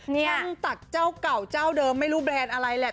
ช่างตักเจ้าเก่าเจ้าเดิมไม่รู้แบรนด์อะไรแหละ